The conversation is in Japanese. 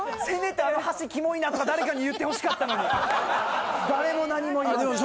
せめてあの箸キモいなとか誰かに言ってほしかったのに誰も何も言わず。